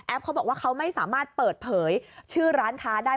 เขาบอกว่าเขาไม่สามารถเปิดเผยชื่อร้านค้าได้